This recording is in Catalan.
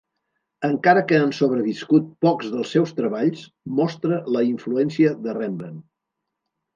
Encara que han sobreviscut pocs dels seus treballs, mostra la influència de Rembrandt.